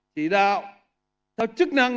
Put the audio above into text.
chỉ đạo theo chức năng